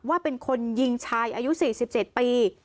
ว่าเป็นคนยิงชายอายุ๔๗ปี